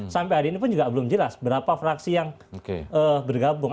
sampai hari ini pun juga belum jelas berapa fraksi yang bergabung